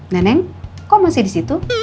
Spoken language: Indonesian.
neneng kok masih di situ